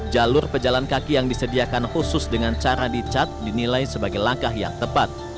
jalur pejalan kaki yang disediakan khusus dengan cara dicat dinilai sebagai langkah yang tepat